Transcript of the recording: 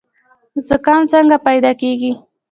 زکام څنګه پیدا کیږي؟